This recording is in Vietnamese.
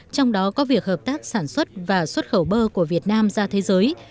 trong đó có việc hợp tác sản xuất và xuất khẩu bơ của việt nam ra thế giới